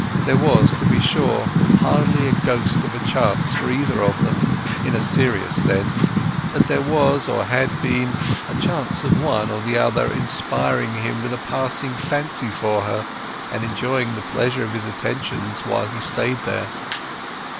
There was, to be sure, hardly a ghost of a chance for either of them, in a serious sense; but there was, or had been, a chance of one or the other inspiring him with a passing fancy for her, and enjoying the pleasure of his attentions while he stayed here.